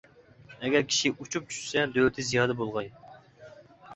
ئەگەر كىشى ئۇچۇپ چۈشىسە، دۆلىتى زىيادە بولغاي.